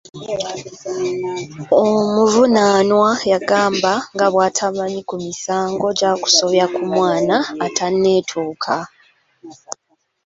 Omuvunaanwa yagamba nga bw'atamanyi ku misango gya kusobya ku mwana atanneetuuka.